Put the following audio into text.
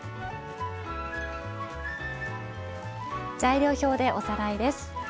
材料表でおさらいです。